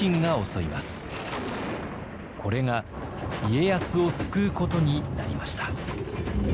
これが家康を救うことになりました。